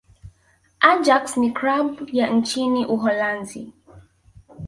ajax ni klabu ya nchini uholanzi